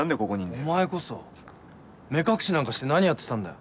お前こそ目隠しなんかして何やってたんだよ。